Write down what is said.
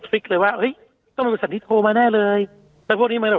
ทริกเลยว่าเฮ้ยก็เป็นบริษัทที่โทรมาแน่เลยแต่พวกนี้มัน